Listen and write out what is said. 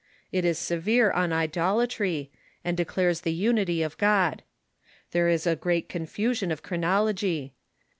It is severe on idola try, and declares the unity of God. There is a great confu sion of chronology.